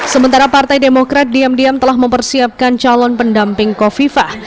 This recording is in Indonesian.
sementara partai demokrat diam diam telah mempersiapkan calon pendamping kofifah